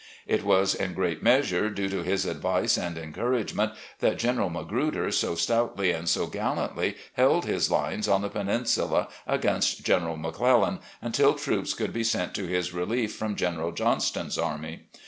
It was in great measure due to his advice and encouragement that General Magruder so stoutly and so gallantly held his lines on the Peninsula against General McClellan until troops could be sent to his relief from General Johnston's army.